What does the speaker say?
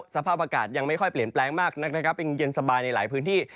สภาพอากาศยังไม่ค่อยเปลี่ยนแปลงมากนักนะครับยังเย็นสบายในหลายพื้นที่